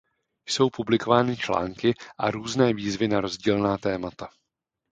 Jsou publikovány články a různé výzvy na rozdílná témata.